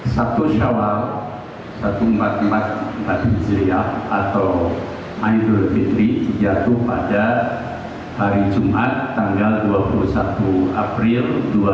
satu syawal seribu empat ratus empat puluh empat hijriah atau idul fitri jatuh pada hari jumat tanggal dua puluh satu april dua ribu dua puluh